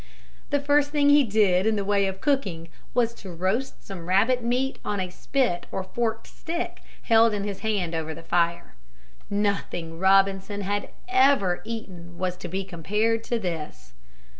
The first thing he did in the way of cooking was to roast some rabbit meat on a spit or forked stick held in his hand over the fire. Nothing Robinson had ever eaten was to be compared to this.